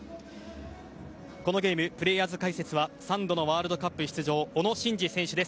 このゲームプレーヤーズ解説は３度のワールドカップ出場小野伸二選手です。